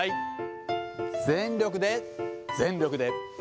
全力で全力で。